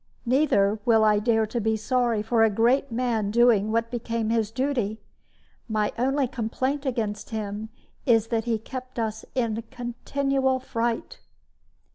Neither will I dare to be sorry for a great man doing what became his duty. My only complaint against him is that he kept us in a continual fright.